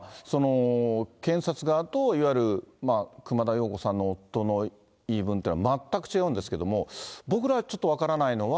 検察側といわゆる熊田曜子さんの夫の言い分というのは全く違うんですけれども、僕ら、ちょっと分からないのは、